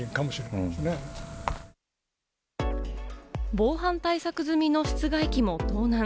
防犯対策済みの室外機も盗難。